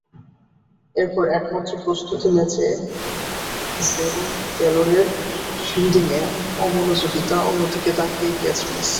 এরপর একমাত্র প্রস্তুতি ম্যাচে জেরোম টেলরের ফিল্ডিংয়ে অমনোযোগিতা, অন্যদিকে তাকিয়ে ক্যাচ মিস।